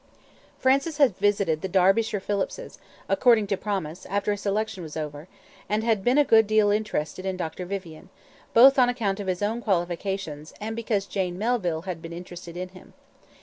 Francis had visited the Derbyshire Phillipses, according to promise, after his election was over, and had been a good deal interested in Dr. Vivian, both on account of his own qualifications, and because Jane Melville had been interested in him.